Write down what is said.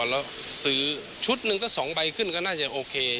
แล้วซื้อชุดหนึ่งก็๒ใบขึ้นก็น่าจะโอเค